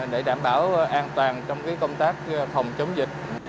để đảm bảo an toàn trong công tác phòng chống dịch